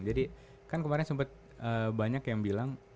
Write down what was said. jadi kan kemarin sempet banyak yang bilang